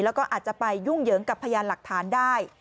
แล้วก็อาจจะไปยุ่งเหยิงกับพยานหลักฐานได้